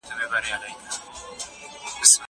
زه قلم استعمالوم کړی دی!!